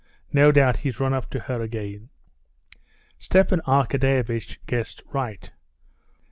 No doubt he's run up to her again." Stepan Arkadyevitch guessed right.